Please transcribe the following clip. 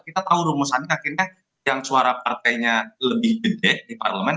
kita tahu rumusannya akhirnya yang suara partainya lebih gede di parlemen